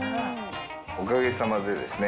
おかげさまでですね。